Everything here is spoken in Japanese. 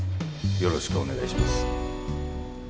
よろしくお願いします。